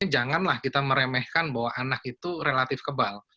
janganlah kita meremehkan bahwa anak itu relatif kebal